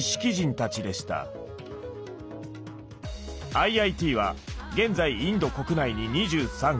ＩＩＴは現在インド国内に２３校。